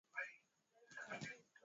Wamatumbi huishi kwa kutegemea kilimo